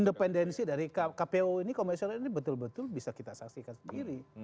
independensi dari kpu ini komisioner ini betul betul bisa kita saksikan sendiri